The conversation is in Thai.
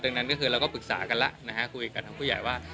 ดังนั้นเราก็ปรึกษากันแล้วคุยกันกับผู้ใหญ่ว่า